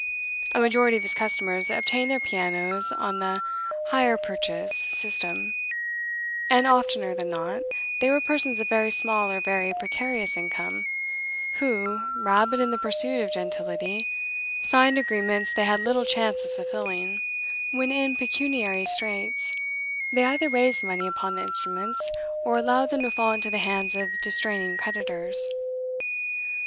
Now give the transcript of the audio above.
A majority of his customers obtained their pianos on the 'hire purchase system,' and oftener than not, they were persons of very small or very precarious income, who, rabid in the pursuit of gentility, signed agreements they had little chance of fulfilling; when in pecuniary straits, they either raised money upon the instruments, or allowed them to fall into the hands of distraining creditors.